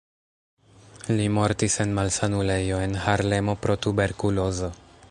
Li mortis en malsanulejo en Harlemo pro tuberkulozo.